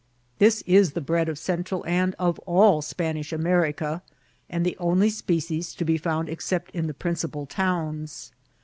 This is the bread of Central and of all Spanish Ameri ca, and the only species to be found except in the prin cipal towns.